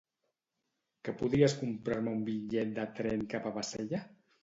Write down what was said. Que podries comprar-me un bitllet de tren cap a Bassella?